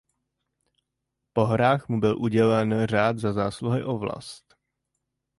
Po hrách mu byl udělen Řád Za zásluhy o vlast.